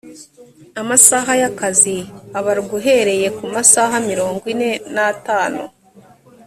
amasaha y’akazi abarwa uhereye ku masaha mirongo ine n’atanu